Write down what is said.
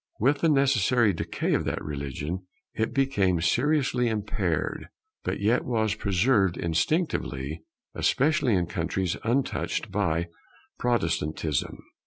With the necessary decay of that religion, it became seriously impaired, but yet was preserved instinctively, especially in countries untouched by Protestantism.